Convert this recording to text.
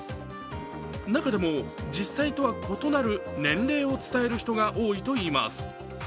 中でも、実際とは異なる年齢を伝える人が多いといいます。